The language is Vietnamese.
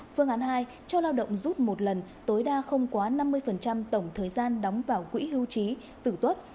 phương án hai cho lao động rút một lần tối đa không quá năm mươi tổng thời gian đóng vào quỹ hưu trí tử tuất